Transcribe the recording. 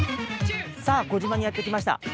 さあ児島にやって来ました。